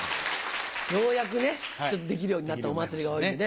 ようやくできるようになったお祭りが多いんでね。